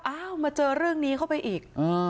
อ้าวมาเจอเรื่องนี้เข้าไปอีก